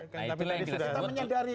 tapi tadi sudah kita menyadari